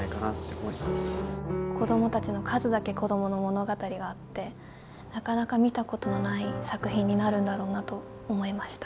子供たちの数だけ子供の物語があってなかなか見たことのない作品になるんだろうなと思いました。